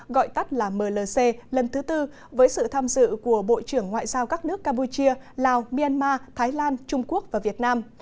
gọi tắt là mlc lần thứ tư với sự tham dự của bộ trưởng ngoại giao các nước campuchia lào myanmar thái lan trung quốc và việt nam